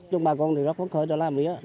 chúng bà con thì rất khúc khởi cho làm mía